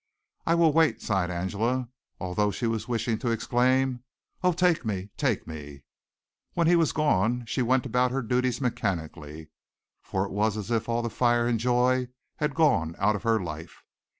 "I will wait," sighed Angela, although she was wishing to exclaim: "Oh, take me, take me!" When he was gone she went about her duties mechanically, for it was as if all the fire and joy had gone out of her life.